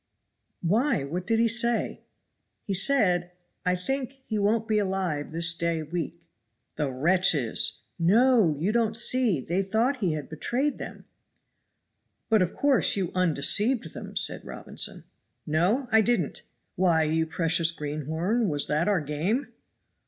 "Why, what did he say?" "He said, 'I think he won't be alive this day week! '" "The wretches!" "No! you don't see they thought he had betrayed them." "But, of course, you undeceived them," said Robinson. "No! I didn't. Why, you precious greenhorn, was that our game?"